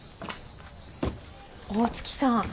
大月さん。